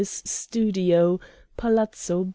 's studio, Palazzo B.